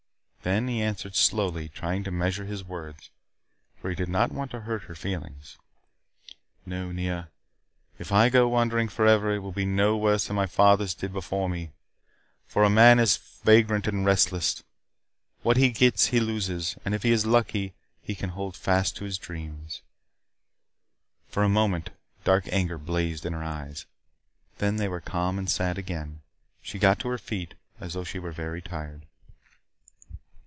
Then he answered slowly, trying to measure his words, for he did not want to hurt her feelings. "No, Nea. If I go wandering forever, it will be no worse than my fathers did before me. For a man is vagrant and restless. What he gets, he loses. And if he is lucky, he can hold fast to his dreams." For a moment dark anger blazed in her eyes. Then they were calm and sad again. She got to her feet, as though she were very tired.